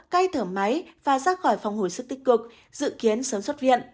cai thở máy và rác khỏi phòng hồi sức tích cực dự kiến sớm xuất viện